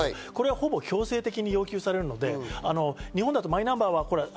ほぼ強制的に要求されるので日本だとマイナンバーは？